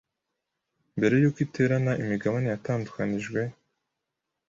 Mbere yuko iterana imigabane yatandukanijwe